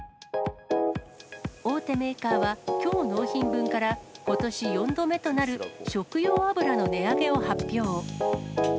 大手メーカーは、きょう納品分から、ことし４度目となる食用油の値上げを発表。